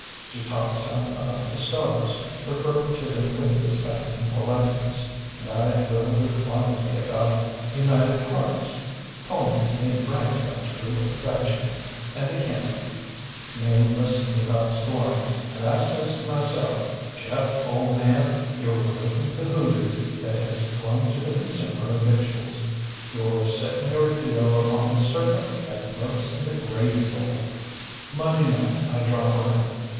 She talked some about the stars, referring to them with respect and politeness, and I drivelled a quantity about united hearts, homes made bright by true affection, and the Kindler. Mame listened without scorn, and I says to myself, ŌĆśJeff, old man, youŌĆÖre removing the hoodoo that has clung to the consumer of victuals; youŌĆÖre setting your heel upon the serpent that lurks in the gravy bowl. ŌĆÖ ŌĆ£Monday night I drop around.